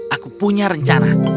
aku punya rencana